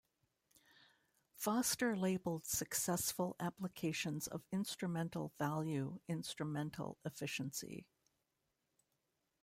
Foster labeled successful applications of instrumental value instrumental efficiency.